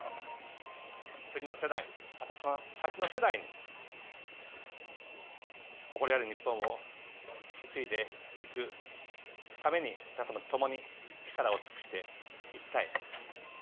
次の世代、またその先の世代に誇りある日本を引き継いでいくために、皆様と共に力を尽くしていきたい。